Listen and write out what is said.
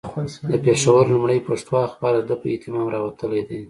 د پېښور لومړنی پښتو اخبار د ده په اهتمام راوتلی دی.